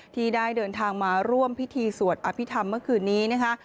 ที่ได้เดินทางมาร่วมพิธีสวดอภิษฐรรมเมื่อคืนนี้นะคะ